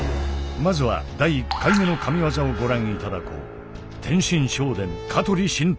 まずは第１回目の神技をご覧頂こう。